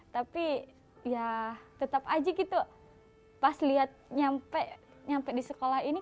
tapi ya tetap aja gitu pas liat nyampe di sekolah ini